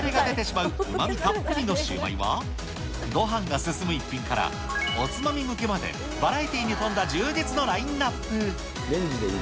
見ているだけでもよだれが出てしまううまみたっぷりのシューマイは、ごはんが進む逸品から、おつまみ向けまで、バラエティーにとんだ充実のラインナップ。